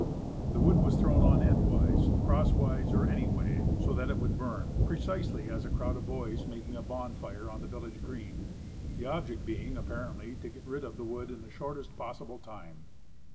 The wood was thrown on end wise, crosswise, or any way, so that it would burn, precisely as a crowd of boys make a bonfire on the village green. The object being, apparently, to get rid of the wood in the shortest possible time.